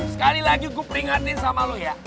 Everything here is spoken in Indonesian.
sekali lagi gue peringatin sama lo ya